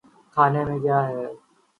کھانے میں کیا ہے۔